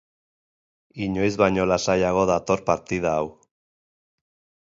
Inoiz baino lasaiago dator partida hau.